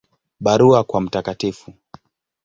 Barua kwa Mt.